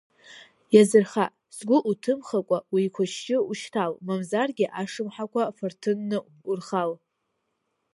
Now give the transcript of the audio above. Иазырха, сгәы уҭымхакәа уеқәышьшьы ушьҭал, мамзаргьы ашымҳақәа фарҭынны урхал!